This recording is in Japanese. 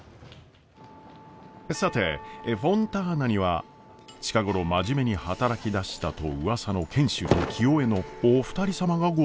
さてフォンターナには近頃真面目に働きだしたとうわさの賢秀と清恵のお二人様がご来店！